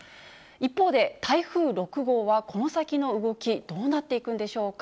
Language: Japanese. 一方で、台風６号は、この先の動き、どうなっていくんでしょうか。